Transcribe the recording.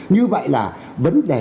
như vậy là vấn đề